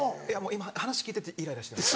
今話聞いててイライラしてます。